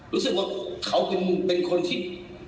รู้สึกว่าเขาเป็นคนที่